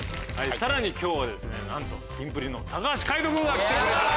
さらに今日はなんとキンプリの橋海人君が来てくれてます。